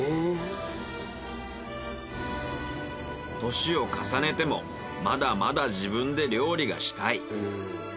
年を重ねてもまだまだ自分で料理がしたい。